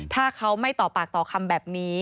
ถ้าเขาไม่ต่อปากต่อคำแบบนี้